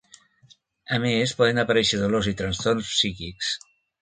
A més, poden aparèixer dolors i trastorns psíquics.